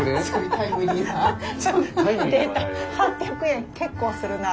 ８００円結構するな。